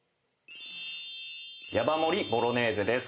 ヤバ盛りボロネーゼです。